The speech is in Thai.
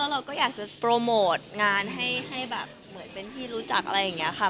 เราก็อยากจะโปรโมทงานให้แบบเหมือนเป็นที่รู้จักอะไรอย่างนี้ค่ะ